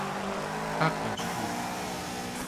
حقش بود!